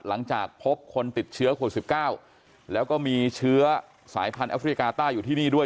หลังจากพบคนติดเชื้อโควิด๑๙แล้วก็มีเชื้อสายพันธุ์แอฟริกาใต้อยู่ที่นี่ด้วย